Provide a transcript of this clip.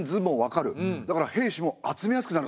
だから兵士も集めやすくなるんですね。